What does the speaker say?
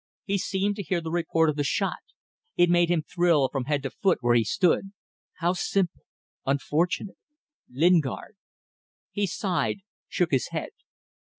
He seemed to hear the report of the shot. It made him thrill from head to foot where he stood. ... How simple! ... Unfortunate ... Lingard ... He sighed, shook his head.